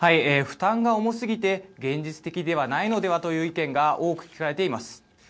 負担が重すぎて現実的ではないのではという意見が多く聞かれています。